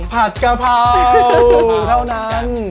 ผัดกะเพราเท่านั้น